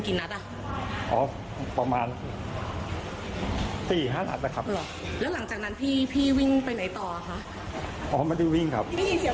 เขาบอกว่าเกิดอะไรขึ้นหลังเกิดเพศสหะล่ะแบบใช่มั้ยครับ